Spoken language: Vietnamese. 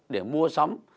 để mua sắm